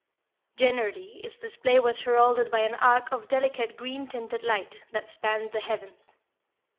Generally, its display was heralded by an arc of delicate green tinted light, that spanned the heavens.